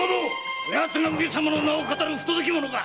こ奴が上様の名を騙る不届き者か！